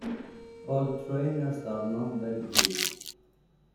Old trainers are not very cool